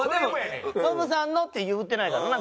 「ノブさんの」って言うてないからな